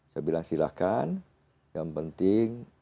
saya bilang silahkan yang penting